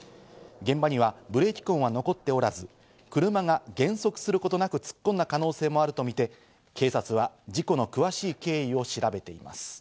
現場にはブレーキ痕は残っておらず、車が減速することなく突っ込んだ可能性もあるとみて警察は事故の詳しい経緯を調べています。